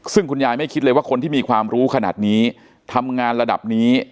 ซึ่งคุณยายไม่คิดเลยว่าคนที่มีความรู้ขนาดนี้ทำงานระดับนี้